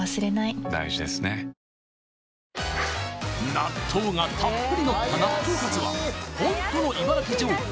納豆がたっぷりのった納豆かつはホントの茨城情報？